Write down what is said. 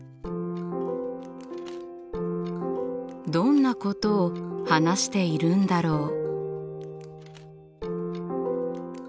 どんなことを話しているんだろう？